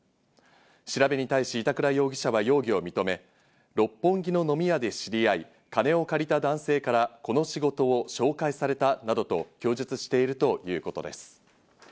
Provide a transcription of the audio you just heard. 調べに対し板倉容疑者は容疑を認め、六本木の飲み屋で知り合い、金を借りた男性からこの仕事を紹介されたなどと供述しているということです。